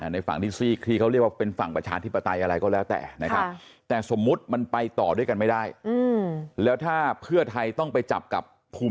ในฝั่งที่ซี่คลีเขาเรียกว่าเป็นฝั่งประชาธิปไตยอะไรก็แล้วแต่นะครับ